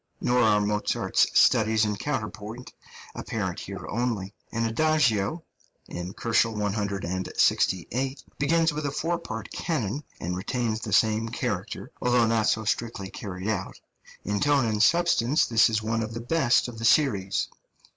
Nor are Mozart's studies in counterpoint apparent here only. An adagio (168 JK.) begins with a four part canon and retains the same character, although not so strictly carried out; in tone and substance this is one of the best of the series.